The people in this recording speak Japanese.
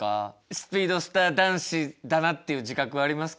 スピードスター男子だなっていう自覚はありますか？